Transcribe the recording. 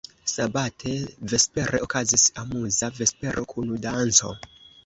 Sabate vespere okazis amuza vespero kun danco.